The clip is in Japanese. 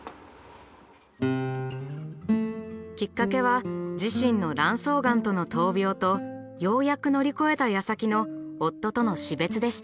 きっかけは自身の卵巣がんとの闘病とようやく乗り越えたやさきの夫との死別でした。